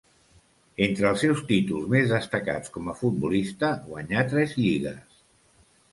Entre els seus títols més destacats com a futbolista guanyà tres lligues.